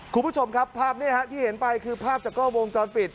คุณผู้ชมครับภาพนี้ที่เห็นไปคือภาพจากกล้อวงจรปิด